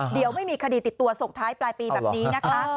เดี๋ยวไม่มีคดีติดตัวส่งท้ายปลายปีแบบนี้นะคะ